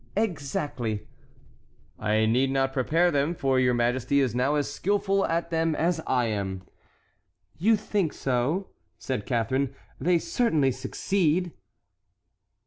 "Exactly." "I need not prepare them, for your majesty is now as skilful at them as I am." "You think so?" said Catharine. "They certainly succeed."